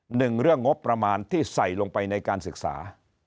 หนึ่งเรื่องงบประมาณที่ใส่ลงไปในการศึกษา